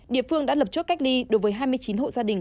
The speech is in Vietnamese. địa phương đã lập chốt cách ly đối với hai mươi chín hộ gia đình